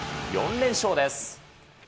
４連勝です。